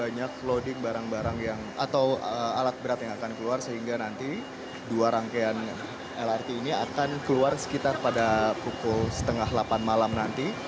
banyak loading barang barang atau alat berat yang akan keluar sehingga nanti dua rangkaian lrt ini akan keluar sekitar pada pukul setengah delapan malam nanti